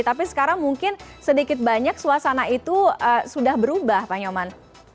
tapi sekarang mungkin sedikit banyak suasana itu sudah berubah pak nyoman